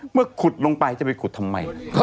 เมื่อขุดลงไปจะไปขุดทำไม